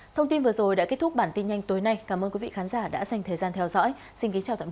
thông tin vừa rồi đã kết thúc bản tin nhanh tối nay cảm ơn quý vị khán giả đã dành thời gian theo dõi